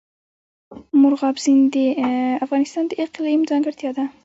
مورغاب سیند د افغانستان د اقلیم ځانګړتیا ده.